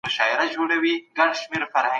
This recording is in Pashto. دغه قواوې د خدايانو په څېر نه دي.